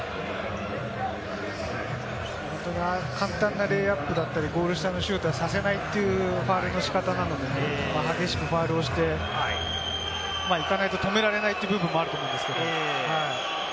簡単なレイアップだったり、ゴール下のシュートはさせないというファウルの仕方だったのでね、激しくファウルをしていかないと止められないという部分もあると思うんですけれども。